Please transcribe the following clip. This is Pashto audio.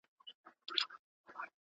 کله مذهبي زغم په ټولنه کي وده کوي؟